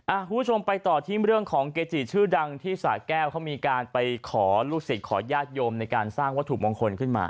คุณผู้ชมไปต่อที่เรื่องของเกจิชื่อดังที่สะแก้วเขามีการไปขอลูกศิษย์ขอญาติโยมในการสร้างวัตถุมงคลขึ้นมา